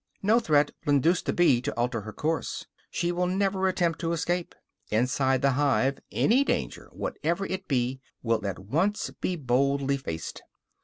No threat will induce the bee to alter her course; she will never attempt to escape. Inside the hive, any danger, whatever it be, will at once be boldly faced.